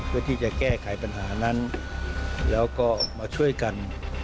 เพื่อที่จะแก้ไขปัญหานั้นแล้วก็มาช่วยกัน